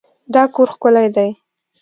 دا کور ښکلی دی.